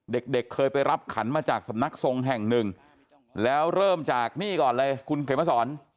เด็กเคยไปรับขันมาจากสำนักทรงแห่งหนึ่งแล้วเริ่มจากนี่ก่อนเลยคุณเขมสอน